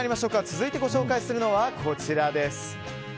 続いてご紹介するのはこちら。